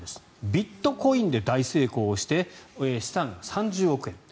ビットコインで大成功して資産が３０億円。